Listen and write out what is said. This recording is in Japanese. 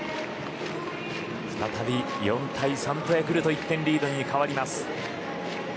再び４対３とヤクルトの１点リードに変わります。